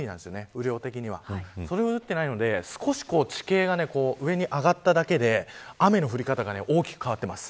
雨量的にはそれほど降ってないので少し地形が上に上がっただけで雨の降り方が大きく変わってます。